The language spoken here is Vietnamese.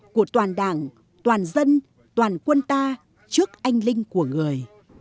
của toàn đảng toàn dân toàn quân ta trước anh linh của người